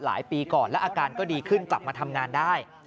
ปีก่อนแล้วอาการก็ดีขึ้นกลับมาทำงานได้